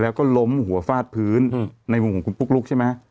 แล้วก็ล้มหัวฟาดพื้นในมุมของคุณปุ๊กลุ๊กใช่ไหม